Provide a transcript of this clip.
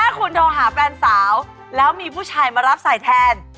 ถ้าคุณโทรหาแฟนสาวแล้วมีผู้ชายมารับใส่แทน